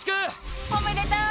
おめでとう！